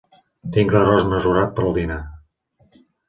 Tinc l'arròs mesurat per al dinar.